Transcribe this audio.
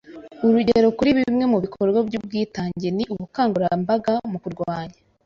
Urugero kuri bimwe mu bikorwa by’Ubwitange ni: ubukangurambaga mu kurwanya